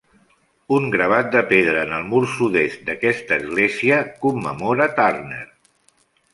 Un gravat de pedra en el mur sud-est d'aquesta església commemora Turner.